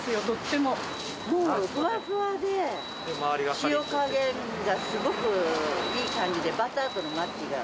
もうふわふわで、塩加減がすごくいい感じで、バターとのマッチが。